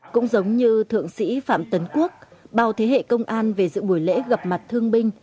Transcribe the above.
cũng giống như thượng sĩ phạm tấn quốc bao thế hệ công an về dự buổi lễ gặp mặt thương binh